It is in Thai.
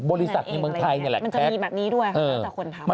บริษัทในเมืองไทยนี่แหละมันจะมีแบบนี้ด้วยแล้วแต่คนทำ